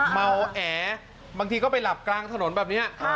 เมาแอบางทีก็ไปหลับกลางถนนแบบนี้